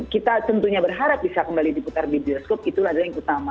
kita tentunya berharap bisa kembali diputar di bioskop itu adalah yang utama